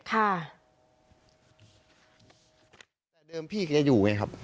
ตั้งแต่เดิมพี่แกอยู่ไหมครับ